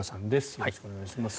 よろしくお願いします。